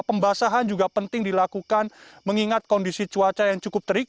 pembasahan juga penting dilakukan mengingat kondisi cuaca yang cukup terik